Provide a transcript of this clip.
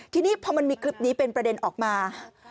ทีนี้พอมันมีคลิปนี้เป็นประเด็นออกมา